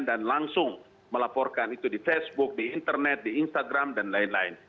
dan langsung melaporkan itu di facebook di internet di instagram dan lain lain